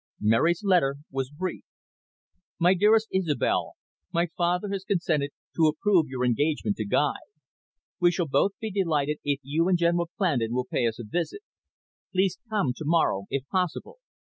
Mary's letter was brief. "My Dearest Isobel, My father has consented to approve your engagement to Guy. We shall both be delighted if you and General Clandon will pay us a visit. Please come to morrow, if possible.